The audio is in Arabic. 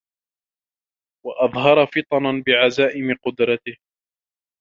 وَأَظْهَرَ فِطَنَنَا بِعَزَائِمِ قُدْرَتِهِ